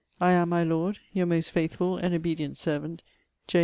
I am, my Lord, Your most faithful and obedient servant, J.